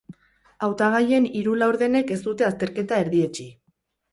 Hautagaien hiru laurdenek ez dute azterketa erdietsi.